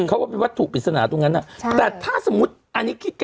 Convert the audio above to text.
เขาว่าเป็นวัตถุปริศนาตรงนั้นน่ะใช่แต่ถ้าสมมุติอันนี้คิดกัน